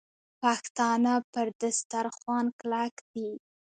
پښتانه پر دسترخوان کلک دي.